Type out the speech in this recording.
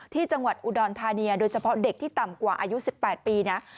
ที่จังหวัดอุดรธานีโดยเฉพาะเด็กที่ต่ำกว่าอายุ๑๘ปีนะ